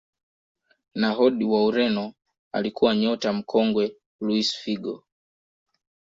nahod wa ureno alikuwa nyota mkongwe luis Figo